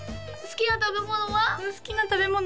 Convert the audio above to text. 好きな食べ物？